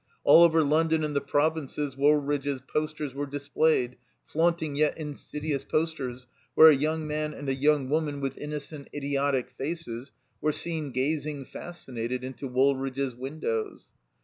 All over London and the provinces Woolridge's posters were displayed; flaimting yet insidious posters where a yoimg man and a yotmg woman with innocent, idiotic faces were seen gazing, fascinated, into Woolridge's win dows.